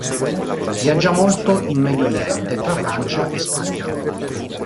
Viaggia molto in Medio Oriente e tra Francia e Spagna.